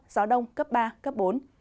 gió đông cấp ba cấp bốn